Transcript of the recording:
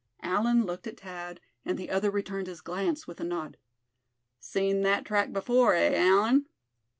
Allan looked at Thad, and the other returned his glance with a nod. "Seen that track before, eh, Allan?"